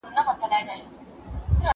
هغه څوک چي کارونه کوي قوي وي!؟